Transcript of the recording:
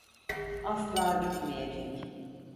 Asla bitmeyecek.